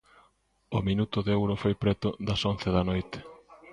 O minuto de ouro foi preto das once da noite.